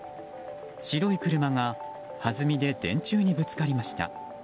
白い車がはずみで電柱にぶつかりました。